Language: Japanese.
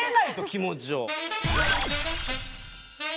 気持ちを。